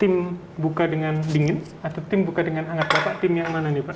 tim buka dengan dingin atau tim buka dengan angat bapak tim yang mana nih pak